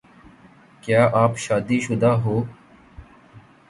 کیا آپ شادی شدہ ہو